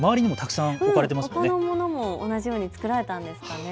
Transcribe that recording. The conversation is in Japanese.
ほかのものも同じように作られたんですかね。